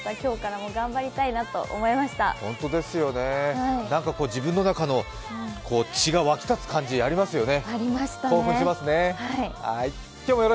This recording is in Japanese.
ほんとですよね、自分の中の血が沸き立つ感じ、ありますよね。